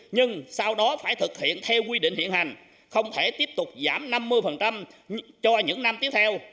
nhưng sau đó phải thực hiện theo quy định hiện hành không thể tiếp tục giảm năm mươi cho những năm tiếp theo